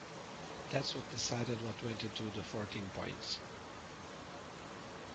That's what decided what went into the Fourteen Points.